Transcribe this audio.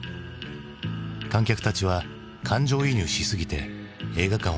観客たちは感情移入しすぎて映画館を出る時